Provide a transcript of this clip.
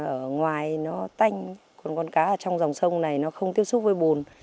ở ngoài nó tanh còn con cá ở trong dòng sông này nó không tiếp xúc với bùn